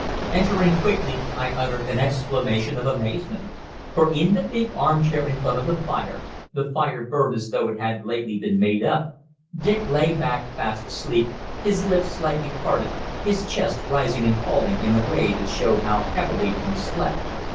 Entering quickly, I uttered an exclamation of amazement. For in the big arm chair in front of the fire the fire burned as though it had lately been made up Dick lay back fast asleep, his lips slightly parted, his chest rising and falling in a way that showed how heavily he slept.